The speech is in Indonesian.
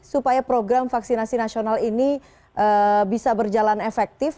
supaya program vaksinasi nasional ini bisa berjalan efektif